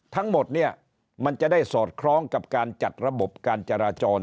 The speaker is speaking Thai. ทั้งหมดเนี่ยมันจะได้สอดคล้องกับการจัดระบบการจราจร